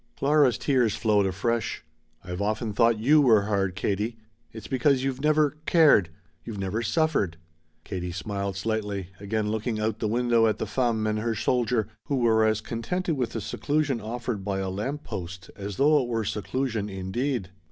Clara's tears flowed afresh. "I've often thought you were hard, Katie. It's because you've never cared. You've never suffered." Katie smiled slightly, again looking out the window at the femme and her soldier, who were as contented with the seclusion offered by a lamp post as though it were seclusion indeed.